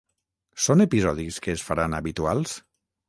són episodis que es faran habituals?